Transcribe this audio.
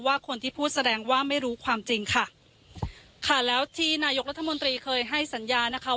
ว่าคนที่พูดแสดงว่าไม่รู้ความจริงค่ะค่ะแล้วที่นายกรัฐมนตรีเคยให้สัญญานะคะ